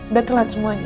udah telat semuanya